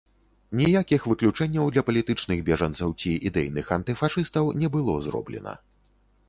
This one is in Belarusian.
Ніякіх выключэнняў для палітычных бежанцаў ці ідэйных антыфашыстаў не было зроблена.